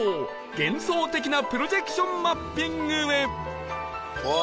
幻想的なプロジェクションマッピングへ